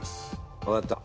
わかった。